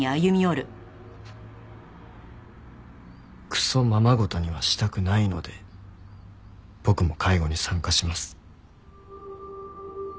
クソままごとにはしたくないので僕も介護に参加します。